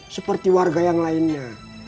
seperti warga yang lainnya